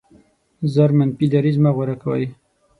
ژر منفي دریځ مه غوره کوئ.